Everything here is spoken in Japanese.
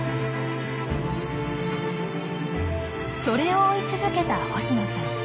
それを追い続けた星野さん。